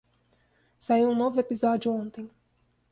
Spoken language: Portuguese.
Saiu um novo episódio ontem.